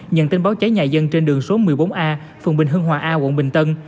nhận tin báo cháy nhà dân trên đường số một mươi bốn a phường bình hưng hòa a quận bình tân